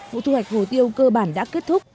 vụ thu hoạch hồ tiêu cơ bản đã kết thúc